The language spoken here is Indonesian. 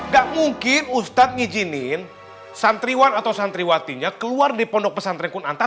gak mungkin ustadz ngizinin santriwan atau santriwatinya keluar di pondok pesantren kunanta